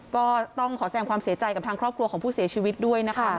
ก็ต้องขอแสงความเสียใจกับทางครอบครัวของผู้เสียชีวิตด้วยนะคะ